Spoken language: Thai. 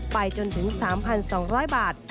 ไปจนถึง๓๒๐๐บาท